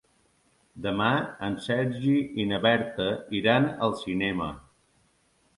Demà en Sergi i na Berta iran al cinema.